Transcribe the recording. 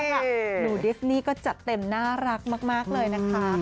หนูดิสนี่ก็จัดเต็มน่ารักมากเลยนะคะ